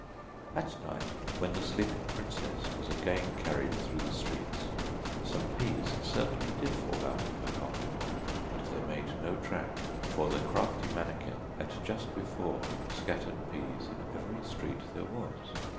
At night when the sleeping princess was again carried through the streets, some peas certainly did fall out of her pocket, but they made no track, for the crafty manikin had just before scattered peas in every street there was.